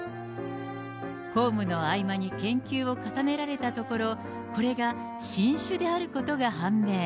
公務の合間に研究を重ねられたところ、これが新種であることが判明。